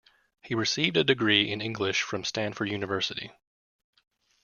He received a degree in English from Stanford University.